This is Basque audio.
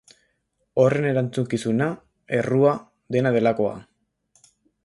Horren erantzukizuna, errua, dena delakoa?